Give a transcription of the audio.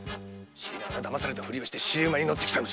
知りながら騙されたふりをして尻馬に乗ってきたのじゃ。